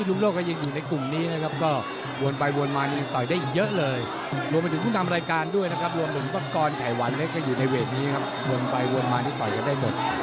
ตรงนี้ครับวนไปวนมาที่ต่อยจะได้หมด